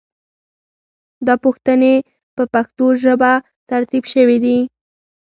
دا پوښتنې په پښتو ژبه ترتیب شوې دي.